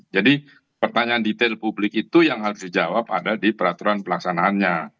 jadi pertanyaan detail publik itu yang harus dijawab ada di peraturan pelaksanaannya